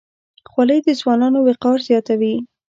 خولۍ د ځوانانو وقار زیاتوي.